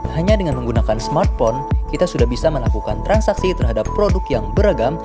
hanya dengan menggunakan smartphone kita sudah bisa melakukan transaksi terhadap produk yang beragam